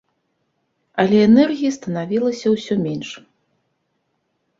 Але энергіі станавілася ўсё менш.